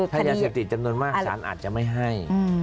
ถ้ายาเสพติดจำนวนมากสารอาจจะไม่ให้